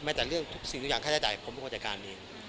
ไม่แต่สิ่งทุกอย่างผมเป็นคนจัดการเอง